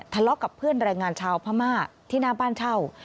ทะเลาะกับเพื่อนแรงงานชาวพม่าที่หน้าบ้านเช่า